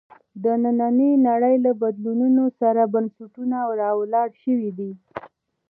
د نننۍ نړۍ له بدلونونو سره بنسټونه راولاړ شوي دي.